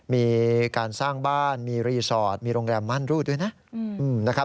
มีการสร้างบ้านมีรีสอร์ทมีโรงแรมมั่นรูดด้วยนะครับ